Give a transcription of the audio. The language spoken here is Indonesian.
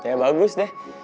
ya bagus deh